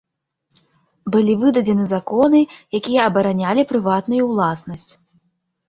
Былі выдадзены законы, якія абаранялі прыватную ўласнасць.